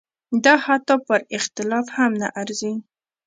دا حتی پر اختلاف هم نه ارزي.